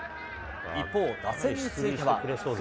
一方、打線については。